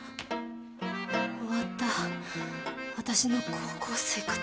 終わった私の高校生活。